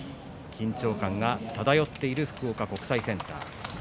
緊張感が漂っている福岡国際センター。